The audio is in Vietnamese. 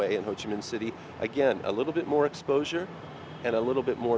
chuyện quan trọng là nó sẽ cho thấy những việc có thể làm được